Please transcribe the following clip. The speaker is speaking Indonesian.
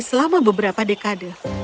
selama beberapa dekade